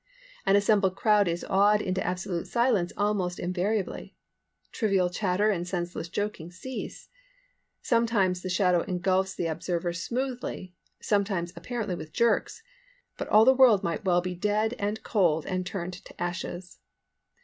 An assembled crowd is awed into absolute silence almost invariably. Trivial chatter and senseless joking cease. Sometimes the shadow engulfs the observer smoothly, sometimes apparently with jerks; but all the world might well be dead and cold and turned to ashes.